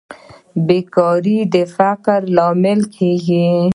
بیکاري د فقر لامل کیږي